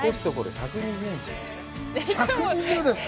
１２０ですか。